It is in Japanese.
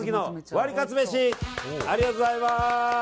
ありがとうございます。